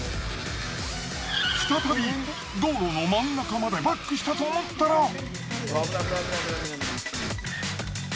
再び道路の真ん中までバックしたと思ったら。